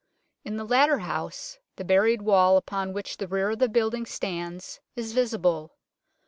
In the latter house the buried wall upon which the rear of the building stands is visible.